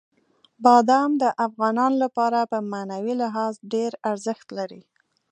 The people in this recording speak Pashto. بادام د افغانانو لپاره په معنوي لحاظ ډېر ارزښت لري.